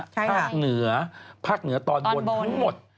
ภาคเหนือภาคเหนือตอนบนทั้งหมด